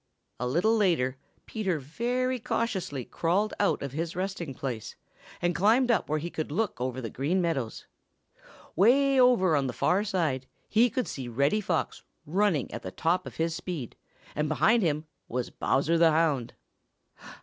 A little later Peter very cautiously crawled out of his resting place and climbed up where he could look over the Green Meadows. Way over on the far side he could see Reddy Fox running at the top of his speed, and behind him was Bowser the Hound.